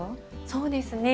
そうですね